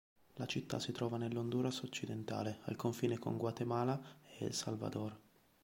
La città si trova nell'Honduras occidentale, al confine con Guatemala e El Salvador.